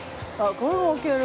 これも置ける。